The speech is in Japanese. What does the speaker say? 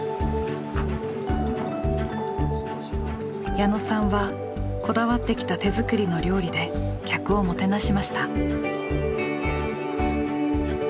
矢野さんはこだわってきた手作りの料理で客をもてなしました。